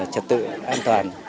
trật tự an toàn